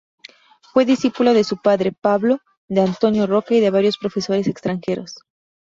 Fue discípulo de su padre, Pablo, de Antonio Roca y de varios profesores extranjeros.